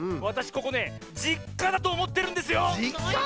ここね「じっか」だとおもってるんですよ！